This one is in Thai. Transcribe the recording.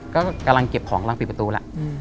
ก็กำลังเก็บของกำลังปิดประตูแล้ว